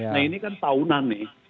nah ini kan tahunan nih